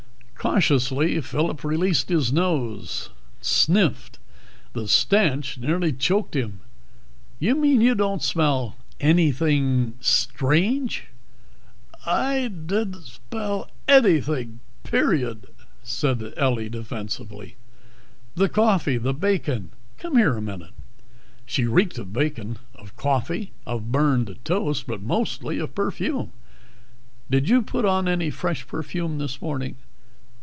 Cautiously, Phillip released his nose, sniffed. The stench nearly choked him. "You mean you don't smell anything strange?" "I did't sbell eddythig, period," said Ellie defensively. "The coffee, the bacon come here a minute." She reeked of bacon, of coffee, of burned toast, but mostly of perfume. "Did you put on any fresh perfume this morning?"